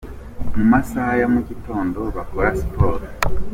Mu masaha ya mu gitondo bakora siporo.